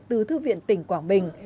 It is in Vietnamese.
từ thư viện tỉnh quảng bình